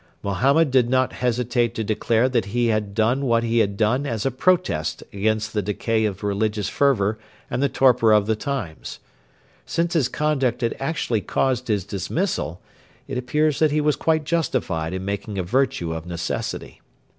Mohammed did not hesitate to declare that he had done what he had done as a protest against the decay of religious fervour and the torpor of the times. Since his conduct had actually caused his dismissal, it appears that he was quite justified in making a virtue of necessity.